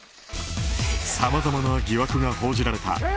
さまざまな疑惑が報じられた